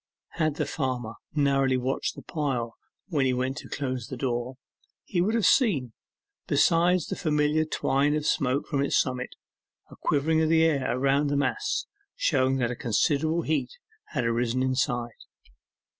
Had the farmer narrowly watched the pile when he went to close the door, he would have seen, besides the familiar twine of smoke from its summit, a quivering of the air around the mass, showing that a considerable heat had arisen inside.